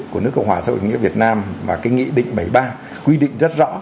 của nước cộng hòa xã hội nghĩa việt nam và cái nghị định bảy mươi ba quy định rất rõ